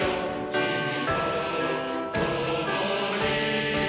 「君と共に」